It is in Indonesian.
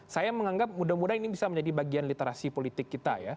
saya menganggap mudah mudahan ini bisa menjadi bagian literasi politik kita ya